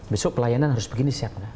besok pelayanan harus begini siap nggak